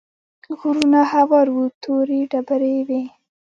غرونه هوار وو تورې ډبرې وې.